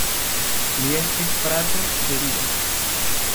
Li estis frato de Dido.